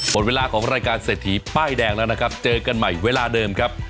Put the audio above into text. หมดเวลาของรายการเศรษฐีป้ายแดงแล้วนะครับเจอกันใหม่เวลาเดิมครับ